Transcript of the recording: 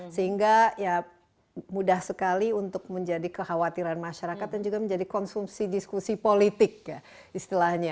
sehingga ya mudah sekali untuk menjadi kekhawatiran masyarakat dan juga menjadi konsumsi diskusi politik ya istilahnya